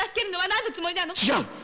違う！